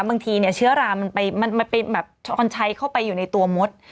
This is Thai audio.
บางทีเชื้อรามันไปมันเป็นแบบช้อนชัยเข้าไปอยู่ในตัวมด